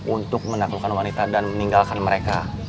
untuk menaklukkan wanita dan meninggalkan mereka